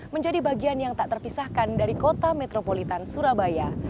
menjadi bagian yang tak terpisahkan dari kota metropolitan surabaya